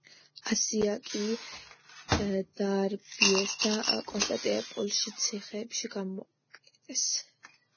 ისააკი დააბრმავეს და კონსტანტინოპოლში ციხეში გამოკეტეს.